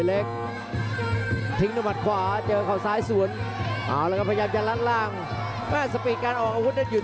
เร่งแล้วครับเร่งแล้วครับ